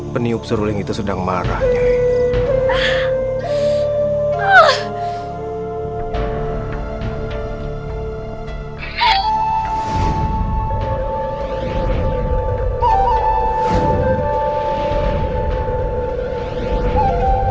peniup seluring itu sedang marahnya